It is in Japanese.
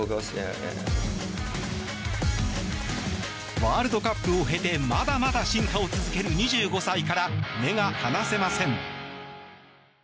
ワールドカップを経てまだまだ進化を続ける２５歳から目が離せません。